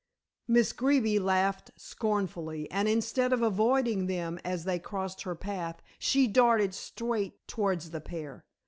Miss Greeby laughed scornfully, and instead of avoiding them as they crossed her path, she darted straight towards the pair.